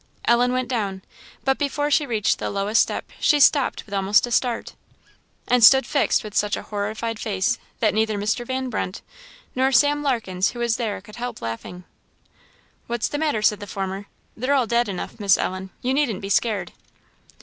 Ellen went down. But before she reached the lowest step she stopped with almost a start, and stood fixed with such a horrified face, that neither Mr. Van Brunt nor Sam Larkens, who was there, could help laughing. "What's the matter?" said the former "they're all dead enough, Miss Ellen; you needn't be scared."